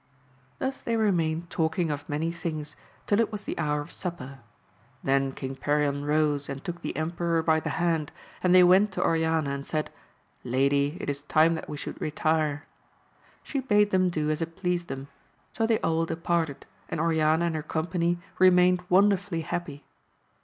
Thus they remained talking of many things till it was the hour of supper ; then King Perion rose and took the emperor by the hand, and they went to Oriana, and said, Lady, it is time that we should retire. She bade them do as it pleased them ; so they all departed, and Oriana and her company remained wonderfully happy.